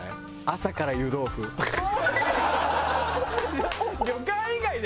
朝から湯豆腐って。